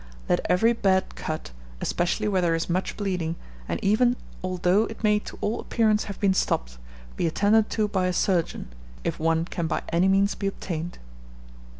Let every bad cut, especially where there is much bleeding, and even although it may to all appearance have been stopped, be attended to by a surgeon, if one can by any means be obtained.